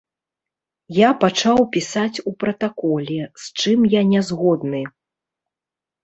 Я пачаў пісаць у пратаколе, з чым я нязгодны.